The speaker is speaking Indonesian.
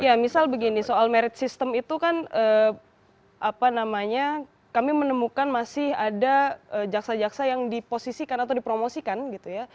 ya misal begini soal merit system itu kan apa namanya kami menemukan masih ada jaksa jaksa yang diposisikan atau dipromosikan gitu ya